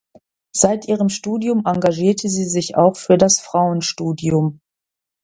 Seit ihrem Studium engagierte sie sich auch für das Frauenstudium.